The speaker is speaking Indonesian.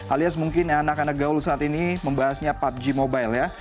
alias mungkin anak anak gaul saat ini membahasnya pubg mobile ya